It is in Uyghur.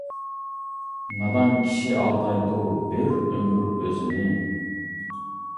نادان كىشى ئالدايدۇ، بىر ئۆمۈر ئۆزىنى.